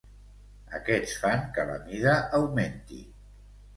Aquests fan que la mida augmenti.